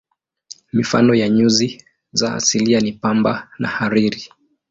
Mifano ya nyuzi za asili ni pamba na hariri.